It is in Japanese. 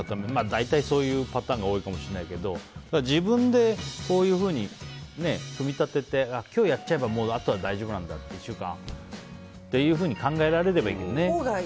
大体、そういうパターンが多いかもしれないけど自分でこういうふうに組み立てて今日やっちゃえばあとは１週間大丈夫だと考えられればいいけどね。